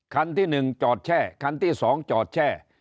คันที่หนึ่งจอดแช่คันที่สองจอดแช่